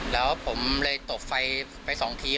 แล้วผมเลยตบไฟไป๒ที